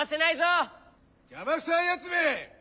じゃまくさいやつめ。